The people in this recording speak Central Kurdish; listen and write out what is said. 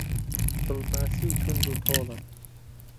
بڵباسی و توند و تۆڵن